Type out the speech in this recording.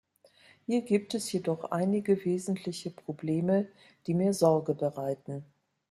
Hier gibt es jedoch einige wesentliche Probleme, die mir Sorge bereiten.